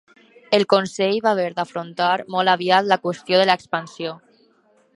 El Consell va haver d'afrontar molt aviat la qüestió de l'expansió.